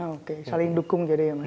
oke saling dukung jadi ya mas